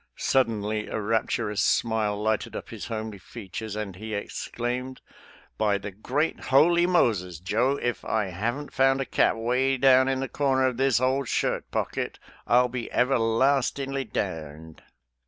Suddenly a rapturous smile lighted up his homely features, and he exclaimed, " By the great holy Moses, Joe, if I haven't found a cap way down in the corner of this old shirt pocket, I'll be everlastin'ly derned!"